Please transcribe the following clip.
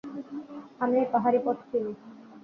আমি এই পাহাড়ি পথ চিনি।